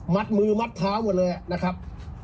มือมัดเท้าหมดเลยนะครับ